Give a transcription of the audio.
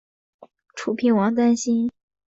楚平王担心。